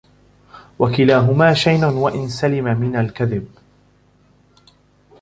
وَكِلَاهُمَا شَيْنٌ وَإِنْ سَلِمَ مِنْ الْكَذِبِ